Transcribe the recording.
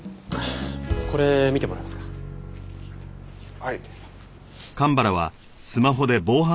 はい。